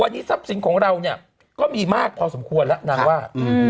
วันนี้ซับสิงห์ของเรานี่ก็มีมากพอสมควรแล้วนางว่า